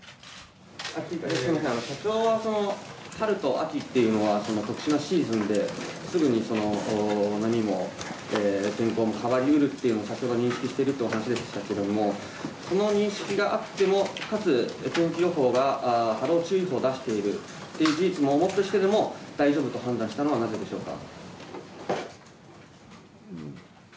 社長は、春と秋というのは特殊なシーズンですぐに波も天候も変わり得るというのを先ほど認識しているという話でしたがその認識があってもかつ、天気予報が波浪注意報を出しているという事実があっても大丈夫と判断したのはなぜでしょうか。